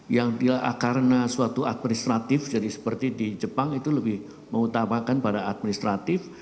yang karena suatu administratif jadi seperti di jepang itu lebih mengutamakan pada administratif